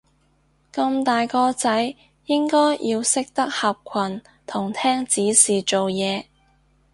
咁大個仔應該要識得合群同聽指示做嘢